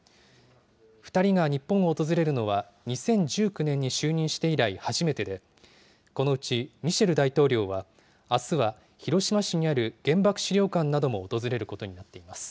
２人が日本を訪れるのは、２０１９年に就任して以来初めてで、このうち、ミシェル大統領は、あすは広島市にある原爆資料館なども訪れることになっています。